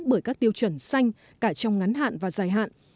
bởi các tiêu chuẩn xanh cả trong ngắn hạn và dài hạn